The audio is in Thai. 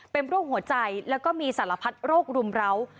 เป็นโรคหัวใจแล้วก็มีสารพัดโรครุมร้าว